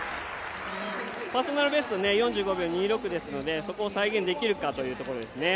パーソナルベスト４５秒２６ですのでそこを再現できるかというところですね。